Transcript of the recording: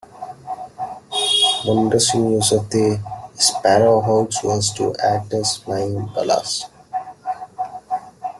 One interesting use of the Sparrowhawks was to act as 'flying ballast'.